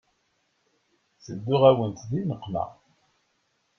Tedduɣ-awent di nneqma.